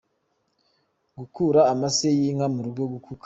Gukura amase y ;inka mu rugo : Gukuka.